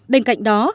bên cạnh đó